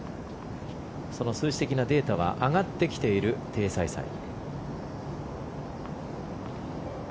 その数字的なデータは上がってきているテイ・サイサイ。